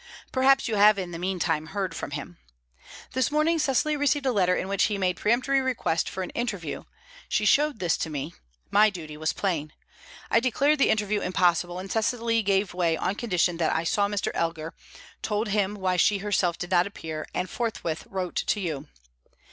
Perhaps you have in the meantime heard from him. This morning Cecily received a letter, in which he made peremptory request for an interview; she showed this to me. My duty was plain. I declared the interview impossible, and Cecily gave way on condition that I saw Mr. Elgar, told him why she herself did not appear, and forthwith wrote to you.